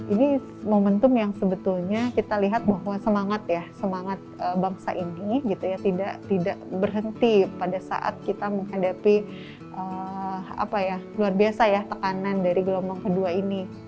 ini momentum yang sebetulnya kita lihat bahwa semangat bangsa ini tidak berhenti pada saat kita menghadapi luar biasa tekanan dari gelombang kedua ini